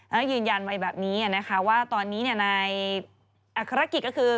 แล้วก็ยืนยันไว้แบบนี้นะคะว่าตอนนี้ในอัครกิจก็คือ